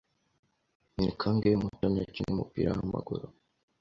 Ni kangahe Mutoni akina umupira wamaguru?